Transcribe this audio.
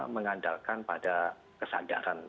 mengandalkan pada kesadaran